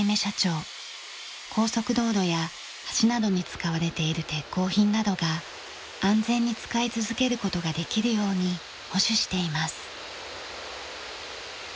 高速道路や橋などに使われている鉄鋼品などが安全に使い続ける事ができるように保守しています。